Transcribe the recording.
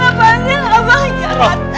abang ya just a bang jahat